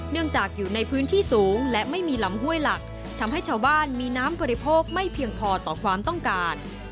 จากอยู่ในพื้นที่สูงและไม่มีลำห้วยหลักทำให้ชาวบ้านมีน้ำบริโภคไม่เพียงพอต่อความต้องการ